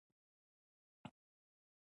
ایا ستاسو اواز خوږ نه دی؟